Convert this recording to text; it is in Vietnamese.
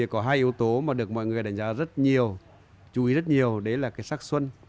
có hai yếu tố mà được mọi người đánh giá rất nhiều chú ý rất nhiều đấy là cái sắc xuân